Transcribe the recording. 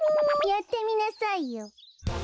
やってみなさいよ。